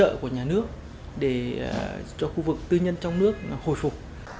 hỗ trợ của nhà nước để cho khu vực tư nhân trong nước hồi phục